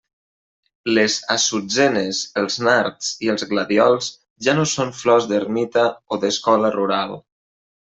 Les assutzenes, els nards i els gladiols ja no són flors d'ermita o d'escola rural.